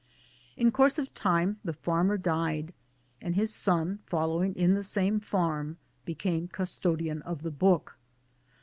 In course of time the farmer died, and his son following; in the same farm, became custodian of the book.